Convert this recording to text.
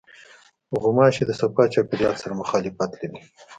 غوماشې د صفا چاپېریال سره مخالفت لري.